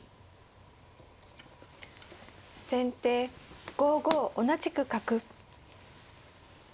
先手５五同じく角。